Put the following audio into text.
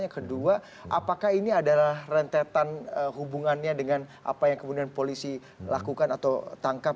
yang kedua apakah ini adalah rentetan hubungannya dengan apa yang kemudian polisi lakukan atau tangkap